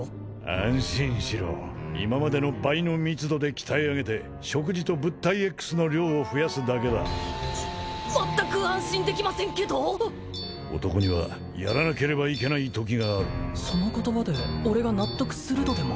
安心しろ今までの倍の密度で鍛え上げて食事と物体Ｘの量を増やすだけだ全く安心できませんけど男にはやらなければいけないときがあるその言葉で俺が納得するとでも？